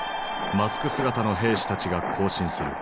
マスク姿の兵士たちが行進する。